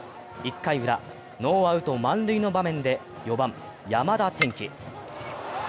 １回ウラ、ノーアウト満塁の場面で４番・山田空暉。